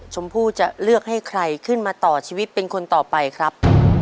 ชมพู่จะเลือกให้ใครขึ้นมาต่อชีวิตเป็นคนต่อไปครับ